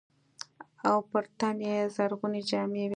او پر تن يې زرغونې جامې وې.